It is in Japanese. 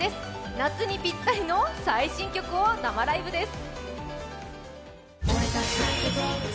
夏にぴったりの最新曲を生ライブです。